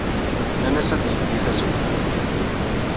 Nnan-as ad yeldey tazewwut.